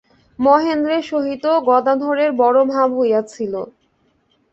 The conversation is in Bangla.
মহেন্দ্রের সহিত গদাধরের বড়ো ভাব হইয়াছিল।